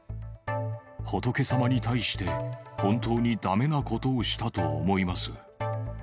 仏様に対して、本当にだめなことをしたと思います。